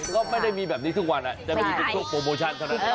ก็ไม่ได้มีแบบนี้ทุกวันจะมีทุกโปรโมชั่นเท่านั้น